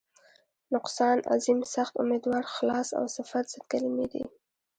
نقصان، عظیم، سخت، امیدوار، خلاص او صفت ضد کلمې دي.